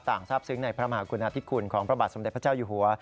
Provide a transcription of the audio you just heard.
ทราบซึ้งในพระมหากุณาธิคุณของพระบาทสมเด็จพระเจ้าอยู่หัว